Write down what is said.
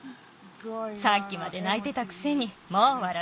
さっきまでないてたくせにもうわらってる。